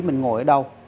mình ngồi ở đâu